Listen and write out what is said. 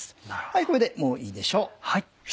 はいこれでもういいでしょう。